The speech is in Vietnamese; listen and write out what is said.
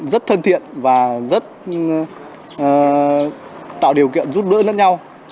rất thân thiện và rất tạo điều kiện giúp đỡ lẫn nhau